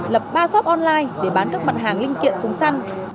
lập ba shop online để bán các mặt hàng linh kiện súng săn